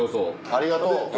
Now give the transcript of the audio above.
ありがとう。